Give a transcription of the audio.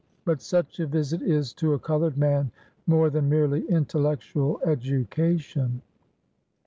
But such a visit is, to a colored man, more than merely intellectual education.